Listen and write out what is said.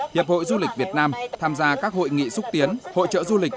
hiệp hội du lịch việt nam tham gia các hội nghị xúc tiến hội trợ du lịch